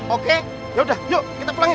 oke yaudah yuk kita pulangin